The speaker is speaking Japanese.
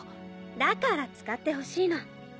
だから使ってほしいの。